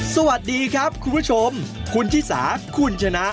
สวัสดีครับคุณผู้ชมคุณชิสาคุณชนะ